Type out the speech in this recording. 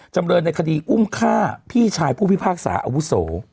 จำเรินในคดีอุ้มฆ่าพี่ชายผู้พิพากษาอาวุโส